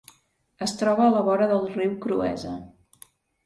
Es troba a la vora del riu Cruesa.